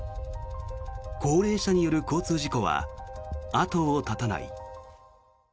高齢者による交通事故は後を絶たない。